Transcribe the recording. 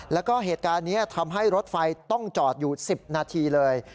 แล้วก็เหตุการณ์นี้ทำให้รถไฟต้องจอดอยู่๑๐นาทีเลย